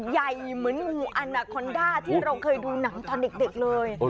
ใหญ่เหมือนงูอันนาคอนด้าที่เราเคยดูหนังตอนเด็กเลย